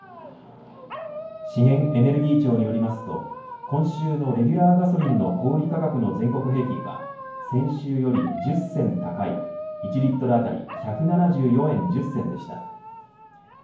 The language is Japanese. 資源エネルギー庁によりますと今週のレギュラーガソリンの小売価格の全国平均は先週より１０銭高い１リットル当たり１７４円１０銭でした。